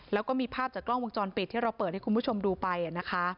แล้วก็มีภาพจากกล้องวงจรปิดที่เราเปิดให้คุณผู้ชมดูไปนะคะ